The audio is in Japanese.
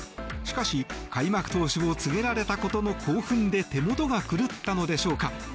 しかし、開幕投手を告げられたことの興奮で手元が狂ったのでしょうか。